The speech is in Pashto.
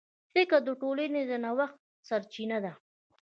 فکر د ټولنې د نوښت سرچینه ده.